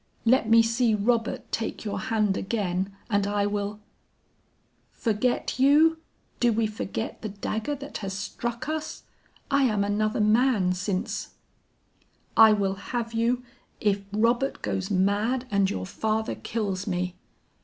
Let me see Robert take your hand again and I will ' "'Forget you! Do we forget the dagger that has struck us? I am another man since ' "'I will have you if Robert goes mad and your father kills me.